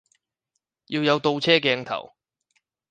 要有倒車鏡頭